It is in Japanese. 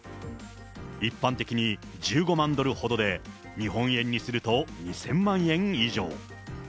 一般的に１５万ドルほどで、日本円にすると２０００万円以上。